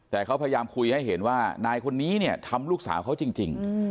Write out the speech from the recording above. แต่เขาพยายามคุยให้เห็นว่านายคนนี้เนี่ยทำลูกสาวเขาจริง